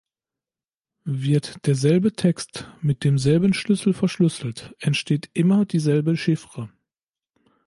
Wird derselbe Text mit demselben Schlüssel verschlüsselt, entsteht immer dieselbe Chiffre.